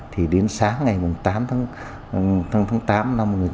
thì đến sáng ngày mùng tám tháng tám năm một nghìn chín trăm bảy mươi bốn